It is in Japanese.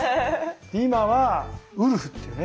今はウルフっていうね